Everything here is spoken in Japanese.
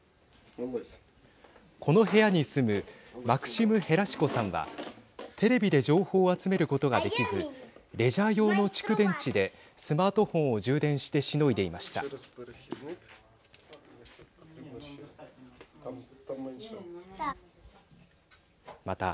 この部屋に住むマクシム・ヘラシコさんはテレビで情報を集めることができずレジャー用の蓄電池でスマートフォンを充電してしのいでいました。